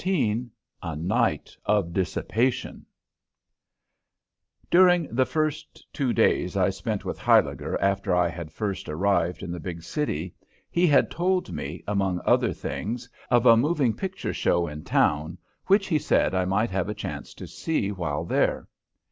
XIV A NIGHT OF DISSIPATION During the first two days I spent with Huyliger after I had first arrived in the big city he had told me, among other things, of a moving picture show in town which he said I might have a chance to see while there.